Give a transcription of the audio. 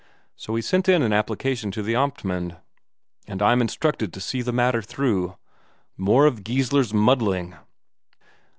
So he sent in an application to the Amtmand, and I'm instructed to see the matter through. More of Geissler's muddling!"